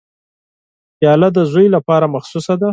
پیاله د زوی لپاره مخصوصه ده.